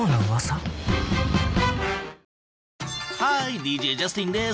ＤＪジャスティンです。